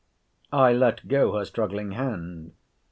I let go her struggling hand.